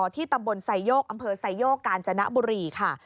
ที่ตำบลไซโยกอำเภอไซโยกกาญจนบุรีค่ะ